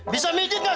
bisa mikir gak sih pak